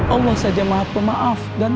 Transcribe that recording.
allah saja maha pemaaf dan maha pengampun